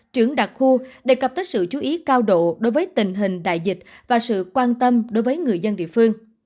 trưởng đặc khu đề cập tới sự chú ý cao độ đối với tình hình đại dịch và sự quan tâm đối với người dân địa phương